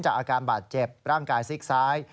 อาการบาดเจ็บร่างกายซิกซ้าย